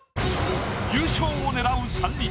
優勝を狙う３人。